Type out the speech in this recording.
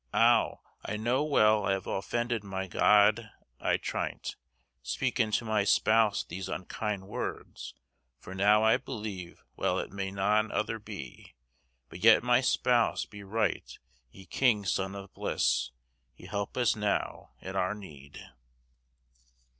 _ Ow, I know weyl I have offendyd my God ī trinyte, Spekyn to my spowse these unkynde wordys. For now I beleve wel it may non other be, But yt my spowse beryght ye kyngys son of blys, He help us now at oure nede!